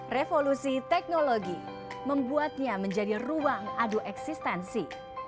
revolusi teknologi membuatnya menjadi ruang adu eksistensi